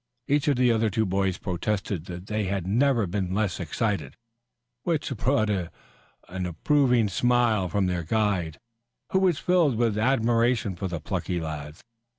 Each of the other two boys protested that they had never been less excited, which brought an approving smile from their guide, who was filled with admiration for the plucky lads.